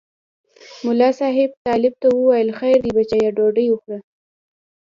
ملا صاحب طالب ته وویل خیر دی بچیه ډوډۍ وخوره.